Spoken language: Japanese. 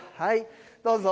どうぞ。